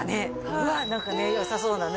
うわっ何かねよさそうだね